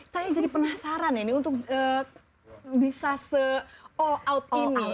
saya jadi penasaran ya ini untuk bisa se all out ini